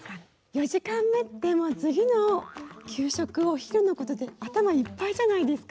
４時間目って次の給食お昼のことで頭いっぱいじゃないですか。